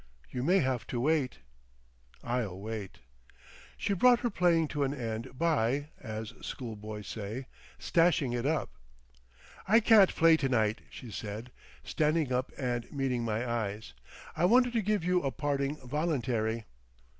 "You may have to wait." "I'll wait." She brought her playing to an end by—as school boys say—"stashing it up." "I can't play to night," she said, standing up and meeting my eyes. "I wanted to give you a parting voluntary."